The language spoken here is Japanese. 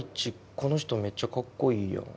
この人めっちゃかっこいいやん」